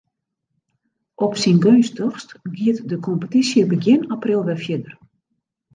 Op syn geunstichst giet de kompetysje begjin april wer fierder.